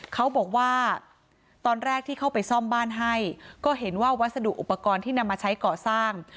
เขาบอกว่าตอนแรกที่เข้าไปซ่อมบ้านให้ก็เห็นว่าวัสดุอุปกรณ์ที่นำมาใช้ก่อสร้าง